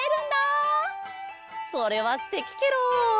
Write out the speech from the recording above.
それはすてきケロ！